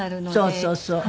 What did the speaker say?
そうそうそう。